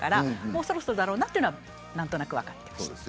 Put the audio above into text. もうそろそろだろうというのは何となく分かっていました。